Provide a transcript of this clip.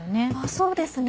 そうですね。